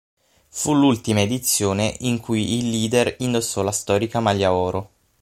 Fu l'ultima edizione in cui il leader indossò la storica maglia oro.